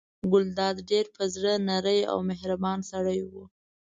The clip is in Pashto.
ګلداد ډېر په زړه نری او مهربان سړی و.